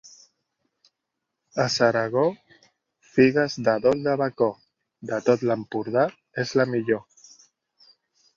A S'Agaró, figues de dol de bacó, de tot l'Empordà és la millor.